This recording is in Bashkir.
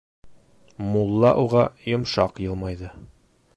Мулла уға йомшаҡ йылмайҙы: